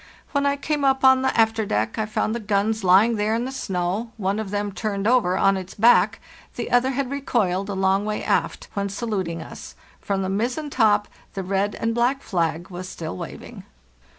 When I came up on the after deck, I found the guns lying there in the snow, one of them turned over on its back, the other had recoiled a long way aft, when sa luting us; from the mizzen top the red and black flag was still waving.